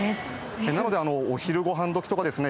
なのでお昼ごはん時とかですね